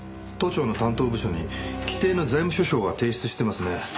都庁の担当部署に規定の財務諸表は提出してますね。